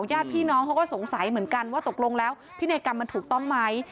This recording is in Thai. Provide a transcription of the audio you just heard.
ญาติพี่น้องเขาก็สงสัยเหมือนกันว่าตกลงแล้วพินัยกรรมมันถูกต้องไหม